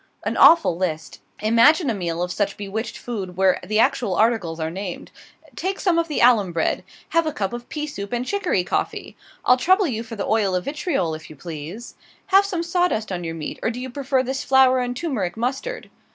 An awful list! Imagine a meal of such bewitched food, where the actual articles are named. "Take some of the alum bread." "Have a cup of pea soup and chicory coffee?" "I'll trouble you for the oil of vitriol, if you please." "Have some sawdust on your meat, or do you prefer this flour and turmeric mustard?"